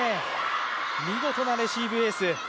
見事なレシーブエース。